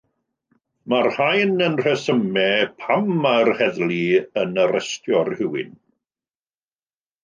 Mae'r rhain yn rhesymau pam mae'r heddlu yn arestio rhywun.